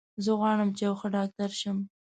زه غواړم چې یو ښه ډاکټر شم